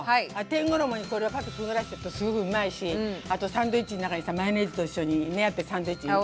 天衣にこれをパッとくぐらせるとすぐうまいしあとサンドイッチの中にさマヨネーズと一緒にやってサンドイッチに。